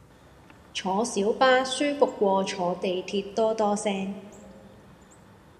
坐小巴舒服過坐地鐵多多聲